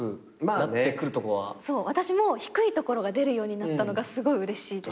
私も低いところが出るようになったのがすごいうれしいです。